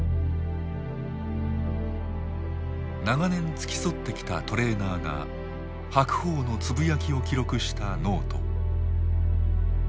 長年付き添ってきたトレーナーが白鵬のつぶやきを記録したノート。